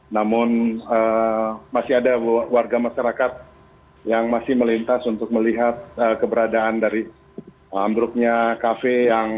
namun masih ada warga masyarakat yang masih melintas untuk melihat keberadaan dari ambruknya kafe